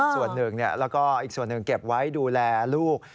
ส่วนหนึ่งแล้วก็อีกส่วนหนึ่งเก็บไว้ดูแลลูก